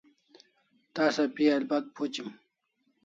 Tasa pi albat phuchim